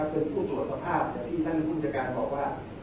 เป็นผู้ตรวจสภาพที่ท่านหุ้นจัดการบอกว่า